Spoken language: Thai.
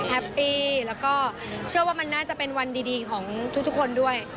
แฮปปี้แล้วก็เชื่อว่ามันน่าจะเป็นวันดีของทุกคนด้วย